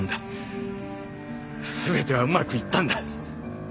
全てはうまくいったんだ。